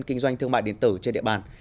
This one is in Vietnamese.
kinh doanh thương mại điện tử trên địa bàn